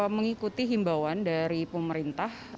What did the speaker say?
mengikuti himbauan dari pemerintah